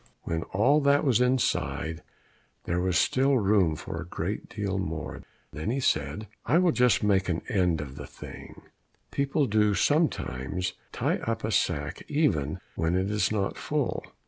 When all that was inside, there was still room for a great deal more; then he said, "I will just make an end of the thing; people do sometimes tie up a sack even when it is not full."